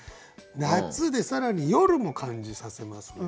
「夏」で更に「夜」も感じさせますね。